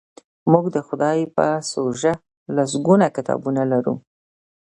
موږ د خدای په سوژه لسګونه کتابونه لرو.